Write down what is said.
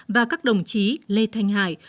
và các đồng chí lê thanh hải